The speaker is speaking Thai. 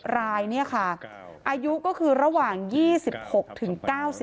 รายเนี่ยค่ะอายุก็คือระหว่าง๒๖ถึง๙๔